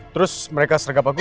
terus mereka sergap aku